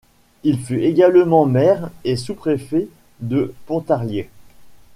Il fut également maire et sous-préfet de Pontarlier.